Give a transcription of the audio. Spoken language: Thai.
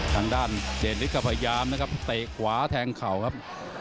ทางด้านเจริสก็พยายามนะครับเตะขวาแทงเข่าครับ